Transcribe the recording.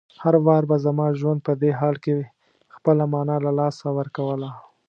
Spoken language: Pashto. هر وار به زما ژوند په دې حال کې خپله مانا له لاسه ورکوله.